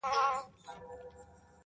ويل دغي ژبي زه يم غولولى.!